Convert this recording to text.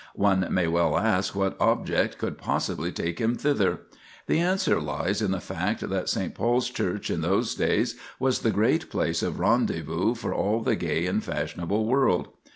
One may well ask what object could possibly take him thither. The answer lies in the fact that St. Paul's Church in those days was the great place of rendezvous for all the gay and fashionable world.